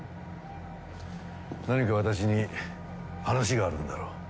何か私に話があるんだろう？